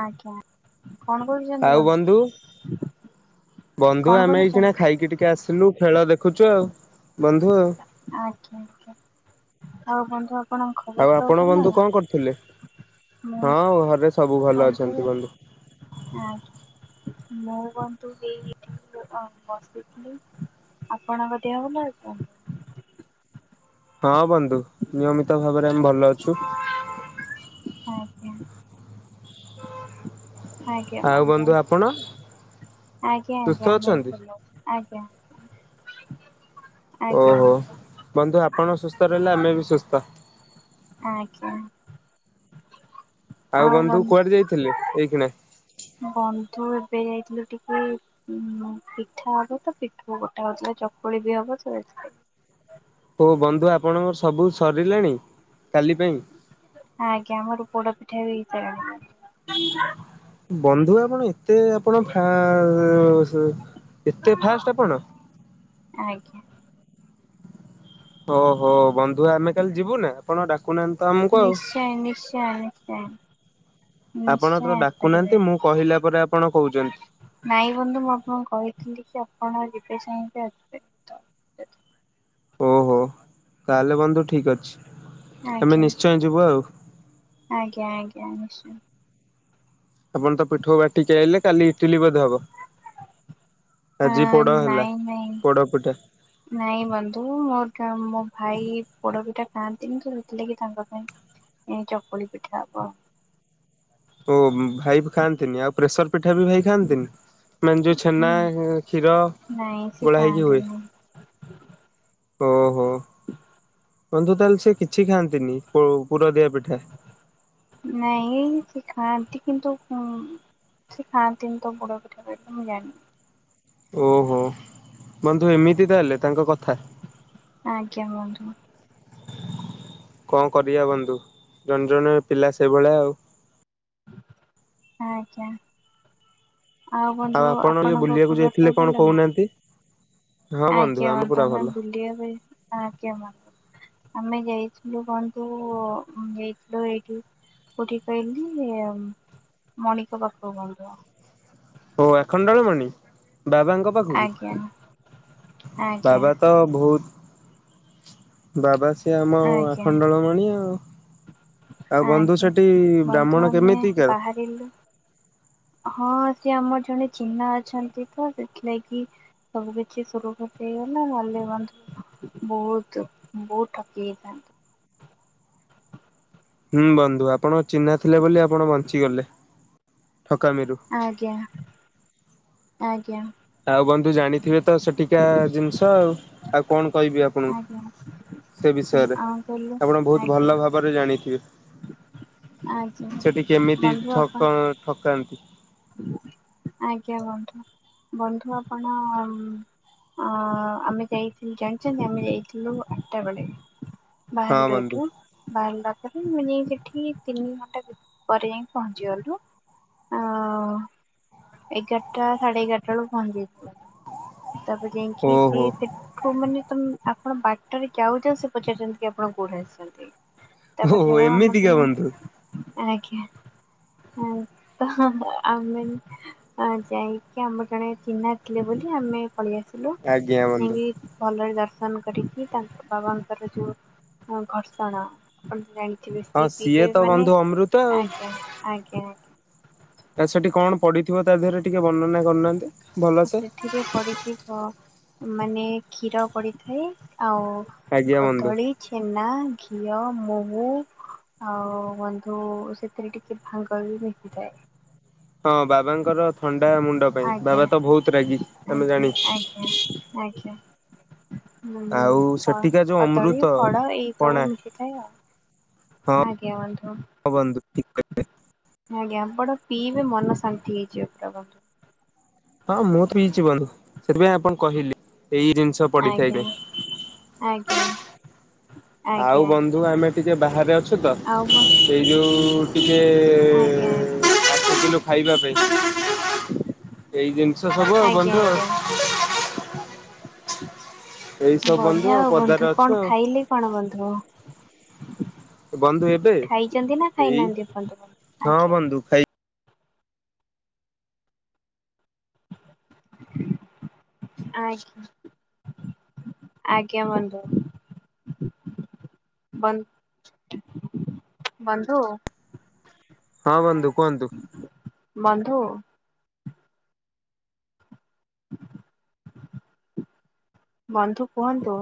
ଆଜ୍ଞା କଣ କରୁଛନ୍ତି ଆଉ ବନ୍ଧୁ ବନ୍ଧୁ କଣ ଆମେ ଏଇକିଣା କରୁଛନ୍ତି ଖାଇକି ଟିକେ ଆସିଲୁ ଖେଳ ଦେଖୁଛୁ ଆଉ ବନ୍ଧୁ ଆଉ ଆଜ୍ଞା ଆଜ୍ଞା ଆଉ କଣ ର ଆଉ ଆପଣ ବନ୍ଧୁ କଣ କରୁଥିଲେ ମୁଁ ହଁ ହରେଶ ସବୁ ଭଲ ଅଛନ୍ତି ବନ୍ଧୁ ଆଜ୍ଞା ମୁଁ କୁହନ୍ତୁ ଏଇ ଏଠି ବସିଥିଲି ଆପଣଙ୍କ ଦେହକୁ ନା କନ୍ତୁ ହଁ ବନ୍ତୁ ନିୟମିତ ଭାବରେ ଆମେ ଭଲ ଅଛୁ ହଁ ଆଜ୍ଞା ଆଉ ଆଜ୍ଞା ବନ୍ଧୁ ଆପଣ ସୁସ୍ଥ ଆଜ୍ଞା ଅଛନ୍ତି? ଆମଲ ଆ ଓହୋ ବନ୍ଧୁ ଆପଣ ସୁସ୍ଥ ରହିଲେ ଆମେ ବି ସୁସ୍ଥ ଆଞା ଆଉ ବନ୍ଧୁ କୁଆଡେ ଯାଇଥିଲେି ଏଇକନା ବନ୍ଧୁ ଏବେ ଯାଇଥିଲୁ ଟିକେ ପିଠା ହବ ତ ପିଠା ଗୋଟେ ହଉଥିଲା ଚକୁଳି ବି ହବ ତ ହଉ ବନ୍ଧୁ ଆପଣଙ୍କର ସବୁ ସରିଲେଣି କାଲି ପାଇଁ ଆଜ୍ଞା ଆମର ପୋଡା ପିଠା ବି ହେଇଥା ବନ୍ଧୁପଣ ତ ଆପଣ ଫା ହ ହ ଏତେ ଫାଷ୍ଟ ଆପଣ ଆଜ୍ଞା ଓହୋ ବନ୍ଧୁ ଆମେ କାଲି ଯିବୁ ନା ଆପଣ ଡାକୁନାହାନ୍ତି ତ ଆମକୁହ ଆଉ ନିଶ୍ଚୟ ନିଶ୍ଚୟ ନିଶ୍ଚୟ ଆପଣ ତ ନିଶ୍ଚୟ ଆପାରିବେ ଡାକୁନାହାନ୍ତି ମୁଁ କହିଲା ପରେ ଆପଣ କହୁଛନ୍ତି ନାଇଁ ବନ୍ଧୁ ମୁଁ ଆପଣଙ୍କୁ କହିଥିଲି ଆପଣ ଯିବେ ଚାହିଁବେ ଆସିବେ ଓହୋ ତାହେଲେ ବନ୍ଧୁ ଠିକ ଅଛି ଏମେ ଆଜ୍ଞା ନିଶ୍ଚୟ ଯିବୁ ଆଉ ଆଜ୍ଞା ଆଜ୍ଞା ନିଶ୍ଚୟ ଆପଣ ତ ପିଠଉ ବାଟିକି ଆଇଲେ କାଲି ଇଟିଲି ବୋଧେ ହବ ଆଜି ହଁ ପୋଡ ହେଲା। ନାଇଁ ନାଇଁ ପୋଡ ପିଠା ନାଇଁ ବନ୍ଧୁ ମୋର ମୋ ଭାଇ ପୋଡବିଟା ଯଆନ୍ତିନି ତ ହେଥିଲା କି ତାଙ୍କ ପାଇଁ ଏ ଚକୁଳି ପିଠା ହବ ଆ ଓ ଭାଇ ବି ଖାଆନ୍ତିନି ଆଉ ପ୍ରେସର ପିଠା ବି ହୋଇ ଖାଆନ୍ତିନି ମ ଯେୋଉ ଛେନା ହୁଁ କ୍ଷୀର ନାଇଁ ସେ ଗୋଳା ହେଇକି ହୁଏ ଖାଆନ୍ତିନି ହଁ ହୋ ବନ୍ଧୁ ତାହେଲେ ସେ କିଛି ଖାଆନ୍ତିନି ପୁର ଦିଆ ପିଠା ଖାନ୍ତି କିନ୍ତୁ ସେ ଖାନ୍ତି ତ ବୁଡ଼ ପଠିବାିଲ ମୁଁ ଜିନ ଓହୋ ବନ୍ଧୁ ଏମିତି ହେଲେ ତାଙ୍କ କଥା ଆଜ୍ଞା ବନ୍ଧୁ କଣ କରିବା ବନ୍ଧୁ ଜଣେ ଜଣେ ପିଲା ସେଇଭଳିଆ ଆଉ ଆଜ୍ଞା ବନ୍ଧୁ ଆଉ ଆପଣ ଇଏ ଆପଣଙ୍କ ବୁଲିବାକୁ ଯାଇଥିଲେ କଣ କହୁନାହାନ୍ତି ହଁ ଆ ବନ୍ଧୁ କମ ଆମେ ପୁରା ତମେ ଭଲ। ଭୁଲି ଭ ଆ କ ଆମେ ଯାଇଥିଲୁ କନ୍ତୁ ଯାଇଥିଲୁ ଏଇଠି କୋଉଠି କହିଲି ମଣିକ ପାଖକୁ କଣନ୍ତୁ ଓ ଏଣ ଡାଳ ମଣି ବାବାଙ୍କ ଆଜ୍ଞା ପାଖକୁ ଆଜ୍ଞା ବାବା ତ ବହୁତ ବାବା ସେ ଆମ ଆଜ୍ଞା ଆଖଣ୍ଡଳମାଣି ଆଉ ଆଉ ବନ୍ଧୁ ଆଜ୍ଞା ସେଠି ବ୍ରାହ୍ମଣ ବନ୍ଧୁ ଆମେ କେମିତିକା? ବାହାରିଲୁ ହଁ ସେ ଆମର ଜଣେ ଚିହ୍ନା ଅଛନ୍ତି ତ ସେଥିଲାଗି ସବୁ କିଛି ସୁରୁଖୁ ହେଇଗଲା ଭଲେ ବନ୍ଧୁ ବହୁତ ବହୁତ ଠକି ହେଇଥାନ୍ତ ହୁଁ ବନ୍ଧୁ ଆପଣ ଅ ଚିହ୍ନା ଥିଲେ ବୋଲି ଆପଣ ବଞ୍ଚିଗଲେ ଠକା ମେରୁୁ ଆଜ୍ଞା ଆଜ୍ଞା ଆଉ ବନ୍ଧୁ ଜାଣିଥିବେ ତ ସେଠିକା ଜିନିଷ ଆଉ ଆଉ କଣ କହିବି ଆଣ ଆପଣ ଆଜ୍ଞା ସେ ବିଷୟରେ ଆଉ କହିଲୁ ଆପଣ ବହୁତ ଆଜ୍ଞା ଭଲ ଭାବରେ ଜାଣି ଠିକ ଆଜ୍ଞା ସେଠି କେମିତି ବନ୍ଧୁ ଆପଣ ଠକ ଠକାନ୍ତି ଆଜ୍ଞା ବନ୍ଧୁ ବନ୍ଧୁ ଆପଣ ଆମେ ଯାଇଥିଲୁ ଜାଣିଛନ୍ତି ଆମେ ଯାଇଥିଲୁ ଆଠଟା ବେଳେ ହଁ ବୟଲ ବନ୍ଧୁ ଏଠୁ ବ ମୁଁ ଯାଇ ସେଠି ତିନି ଘଣ୍ଟା ପରେ ଯାଇ ପହଞ୍ଚି ଗଲୁ ଆ ହ ଏଗାରଟା ସାଢ଼େ ଏଗାରଟାଳ ପହଞ୍ଚ ଯାଇଛି ତାପ ଯାଇକି ସେ ଓହୋ ସେଠୁ ମାନେ ତମ ଆପଣ ବାଟରେ ଯାଉଛ ସେ ପଚାରିଛନ୍ତି କି ଆପଣ କୋଉଠି ଆସିଛନ୍ତି ଓହୋ ଏମିତିକା ବନ୍ତୁ ଆକି ଆ ତ ଆମେ ଯାଇକି ଆମର ଜଣେ ଚିହ୍ନା ଥିଲେ ବୋଲି ଆମେ ପଳେଇ ଆସିଲୁ ଆଜ୍ଞା ବନ୍ଧୁ। ନେଇକି ଭଲରେ ଦର ଦର୍ନ କରିକି ତାଙ୍କ ବାବାଙ୍କର ଯୋଉ ଘର୍ଷଣ ଆପଣ ଜାଣି ଠ ହଁ ବେଶି ସିଏ ତ ପିଇଦେବେ ମାନେ ବନ୍ଧୁ ଅମୃତ ଆଜ୍ଞା ଆଜ୍ଞା ଆଜ୍ଞା ତା ସେଠି କଣ ପଡିଥିବ ତା ଦେହରେ ଟିକେ ବର୍ଣନା କରୁନାହାନ୍ତି ଭଲସେ ସେଠିରେ ପଢିଛି ତ ମାନେ କ୍ଷୀର ପଡିଥାଏ ଆଉ ଆଜ୍ଞା ବନ୍ଧୁ କଦଳୀ ଛେନା ଘିଅ ମହୁ ଆଉ ବନ୍ଧୁ ସେଥିରେ ଟିକେ ଭାଙ୍ଗ ବି ମି ହୋଇଯାଏ ହଁ ବାବାଙ୍କର ଥଣ୍ଡା ା ମୁଣ୍ଡ ପାଇଁ ଆଜ୍ଞା ବାବା ତ ବହୁତ ରାଗି ତମେ ଆଜ୍ଞା ଜାଣି ହୁଁ ଯୋଉ କଦଳୀ ଅମୃତ ଫଳ ଏଇ ସବୁ ପଣା ମିଶିଥାଏ ହଁ ଆଉ ଆଜ୍ଞା ବନ୍ଧୁ ବନ୍ଧୁ ଠିକ କହିଲେ ଆଜ୍ଞାପଣ ପିଇବେ ମନ ଶାନ୍ତି ହେଇଯିବେ ପୁରା ବନ୍ଧୁ ହଁ ମୁଁ ତ ହେଇଛି ବଧୁ ସେଥିପାଇଁ ଆପଣ କହିଲେ ଏଇ ଜିନିଷ ପଡିଥାଏ ଆଜ୍ଞା କେ ଆଜ୍ଞା ଆଉ ଆଜ୍ଞା ଆଜ୍ଞା ବନ୍ଧୁ ଆମେ ଟିକେ ବାହାରେ ଅଛୁ ତ ଆଉ ବ ଏଇ ଯୋଉ ଟିକେ ଆଜ୍ଞା ଆଜ୍ଞା। କିଲ ଖାଇବା ପାଇଁ ଏଇିନ ସେଛ ସବୁ ଆଉ ଆଜ୍ଞା ବନ୍ଧୁ ଆ ଆଜ୍ଞା ବନ୍ଧୁ ବଢିଆ ଆଉ ପଦାରେ ବନ୍ଧୁ ଅଛୁ କଣ ଆଉ ଖାଇଲି କଣ ବନ୍ଧୁ ବନ୍ଧୁ ହେ ଖାଇଛନ୍ତି ନା ଖାଇନାହାନ୍ତି ଆନ୍ତ ହଁ ଆଜ୍ଞା ବନ୍ଧୁ ଖାଇ ଆଜ୍ଞା ଆଜ୍ଞ ବନ୍ଧୁ ବ ବନ୍ଧୁ ହଁ ବନ୍ଧୁ କୁହନ୍ତୁ। ବନ୍ଧୁ ବନ୍ଧୁ କୁହନ୍ତୁ।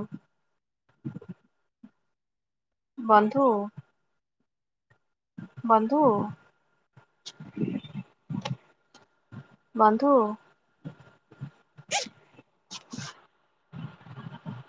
ବନ୍ଧୁ ବନ୍ଧୁ ବନ୍ଧୁ